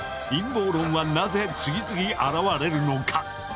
陰謀論はなぜ次々現れるのか。